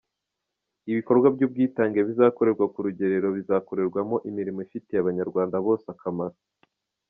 Ibikorwa by’ubwitange bizakorerwa ku rugerero bizakorerwamo imirimo ifitiye Abanyarwanda bose akamaro.